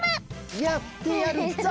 やってやるぞ！